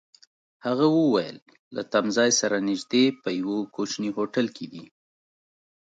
هغه وویل: له تمځای سره نژدې، په یوه کوچني هوټل کي دي.